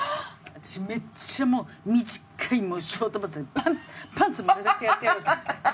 私めっちゃ短いショートパンツパンツ丸出しでやってやろうと思って。